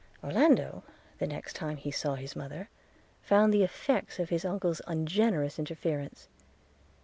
Orlando, the next time he saw his mother, found the effects of his uncle's ungenerous interference.